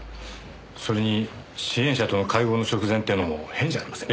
それに支援者との会合の直前っていうのも変じゃありませんか？